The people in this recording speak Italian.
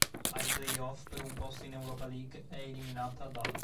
Ai play-off per un posto in Europa League è eliminata dall'.